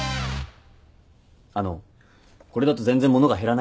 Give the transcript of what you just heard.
あのこれだと全然物が減らないんですけど。